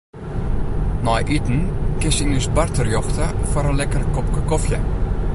Nei iten kinst yn ús bar terjochte foar in lekker kopke kofje.